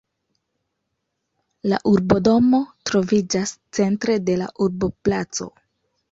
La urbodomo troviĝas centre de la urboplaco.